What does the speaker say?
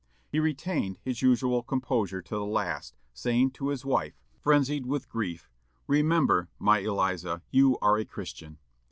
He retained his usual composure to the last, saying to his wife, frenzied with grief, "Remember, my Eliza, you are a Christian."